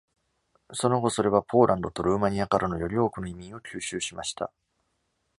その後、それはポーランドとルーマニアからのより多くの移民を吸収しました。